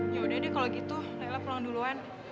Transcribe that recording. yaudah deh kalau gitu lela pulang duluan